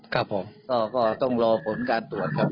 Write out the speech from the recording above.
ก็ต้องรอผลการตรวจครับ